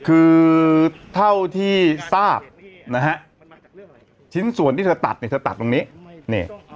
คือเท่าที่ทราบนะฮะชิ้นส่วนที่เธอตัดเนี่ยเธอตัดตรงนี้นี่